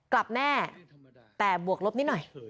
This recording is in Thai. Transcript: กลับแน่แต่บวกลบนิดหน่อย